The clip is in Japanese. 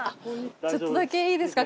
ちょっとだけいいですか？